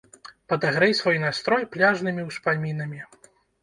Падагрэй свой настрой пляжнымі успамінамі!